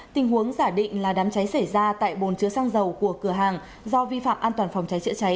tình huống giả định là đám cháy xảy ra tại bồn chứa xăng dầu của cửa hàng do vi phạm an toàn phòng cháy chữa cháy